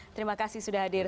terima kasih sudah hadir